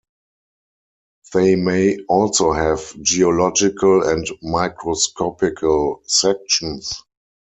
They may also have geological and microscopical sections.